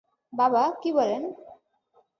বাবা, কী বলেন?